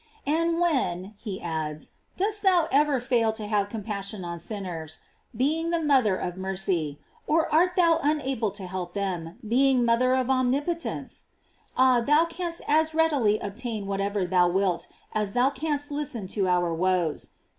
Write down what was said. * And when, he adds, dost thou ever fail to have compassion on sinners, being the mother of mercy; or art thou unable to help them, being mother of omnipotence? Ah, thou canst as readily obtain whatever thou wilt, as thou canst listen to our woes.